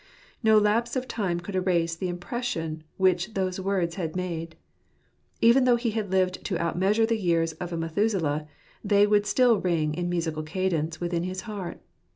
No lapse of time could erase the impression which those words had made. Even though he had lived to out measure the years of a Methuselah, they would still ring in musical cadence within his heart.